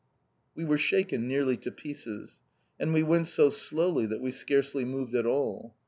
We were shaken nearly to pieces. And we went so slowly that we scarcely moved at all.